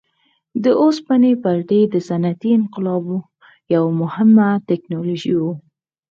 د اوسپنې پټلۍ د صنعتي انقلاب یوه مهمه ټکنالوژي وه.